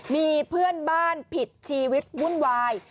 มีเพื่อนบ้านผิดชีวิตวุ่นวาย